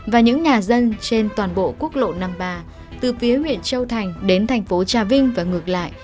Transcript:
và những nhà dân trên toàn bộ quốc lộ năm mươi ba từ phía huyện châu thành đến thành phố trà vinh và ngược lại